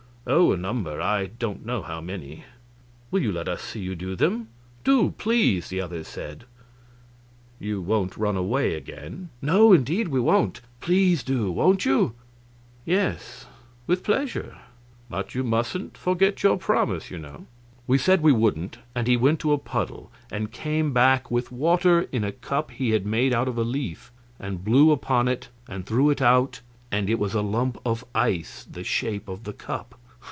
"Oh, a number; I don't know how many." "Will you let us see you do them?" "Do please!" the others said. "You won't run away again?" "No indeed we won't. Please do. Won't you?" "Yes, with pleasure; but you mustn't forget your promise, you know." We said we wouldn't, and he went to a puddle and came back with water in a cup which he had made out of a leaf, and blew upon it and threw it out, and it was a lump of ice the shape of the cup.